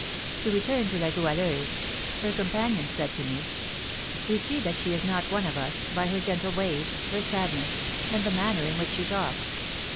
To return to La Goualeuse; her companions said to me, 'We see that she is not one of us, by her gentle ways, her sadness, and the manner in which she talks.'